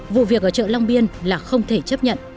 vụ việc ở chợ long biên là không thể chấp nhận